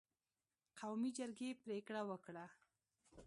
قومي جرګې پرېکړه وکړه